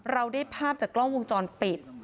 เราได้ภาพจากกล้องวงจรปิด